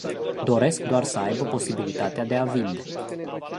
Doresc doar să aibă posibilitatea de a vinde.